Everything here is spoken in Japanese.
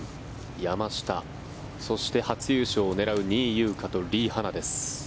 山下、そして初優勝を狙う仁井優花とリ・ハナです。